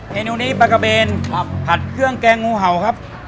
เมนูนี้ปลากะเบนผัดเครื่องแกงงูเห่าครับ